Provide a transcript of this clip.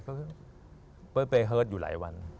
เขาเคยเปิดเปย์เฮิตอยู่หลายวัน